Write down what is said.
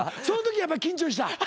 そのときやっぱ緊張した？